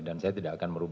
dan saya tidak akan merubah